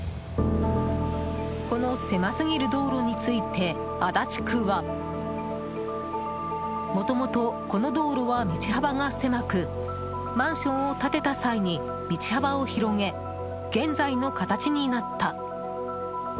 この狭すぎる道路について足立区はもともと、この道路は道幅が狭くマンションを建てた際に道幅を広げ、現在の形になった。